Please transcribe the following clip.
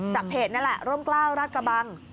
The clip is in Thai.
เพจนั่นแหละร่มกล้าวราชกระบัง